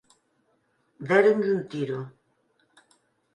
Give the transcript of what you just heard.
Déronlle un tiro.